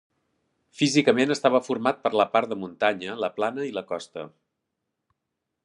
Físicament estava format per la part de muntanya, la plana i la costa.